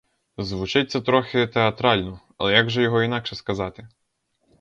Звучить це трохи театрально, але як же його інакше сказати?